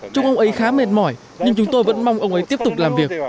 chúc ông ấy khá mệt mỏi nhưng chúng tôi vẫn mong ông ấy tiếp tục làm việc